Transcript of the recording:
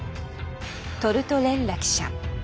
トルトレッラ記者。